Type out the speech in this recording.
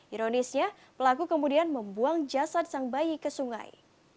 ironisnya pelaku kemudian membuang jasad sang bayi ke sungai